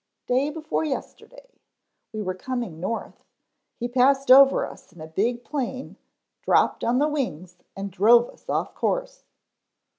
"Day before yesterday. We were coming north; he passed over us in a big plane, dropped on the wings and drove us off the course.